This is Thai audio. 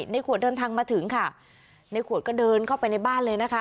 ในขวดเดินทางมาถึงค่ะในขวดก็เดินเข้าไปในบ้านเลยนะคะ